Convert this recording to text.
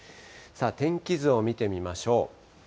天気図を見てみましょう。